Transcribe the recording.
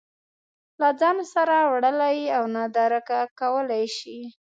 له ځان سره وړلی او نادرکه کولی شي